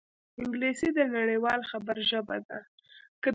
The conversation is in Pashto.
انګلیسي د نړيوال خبر ژبه ده